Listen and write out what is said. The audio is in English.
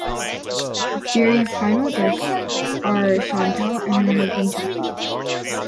Jerry's final guests are Shawntel and her husband, Chucky.